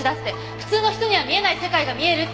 普通の人には見えない世界が見えるって。